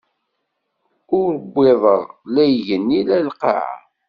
Ur wwiḍeɣ la igenni, la lqaɛa.